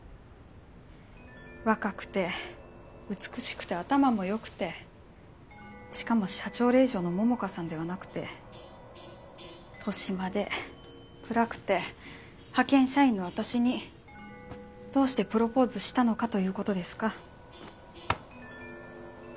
若くて美しくて頭も良くてしかも社長令嬢の桃花さんではなくて年増で暗くて派遣社員の私にどうしてプロポーズしたのかという事ですか？